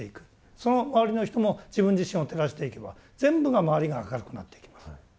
その周りの人も自分自身を照らしていけば全部が周りが明るくなってきます。